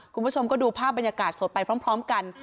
คุณผู้ชมก็ดูภาพบรรยากาศสดไปพร้อมกัน